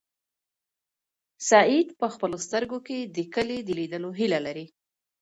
سعید په خپلو سترګو کې د کلي د لیدلو هیله لري.